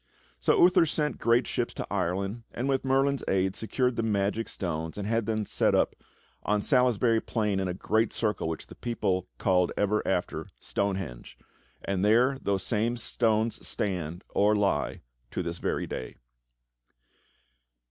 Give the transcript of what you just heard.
So Uther sent great ships to Ireland, and with Merlin's aid secured the magic stones and had them set up on Salisbury Plain in a great circle which the people called ever after "Stonehenge," and there those same stones stand, or lie, to this very day.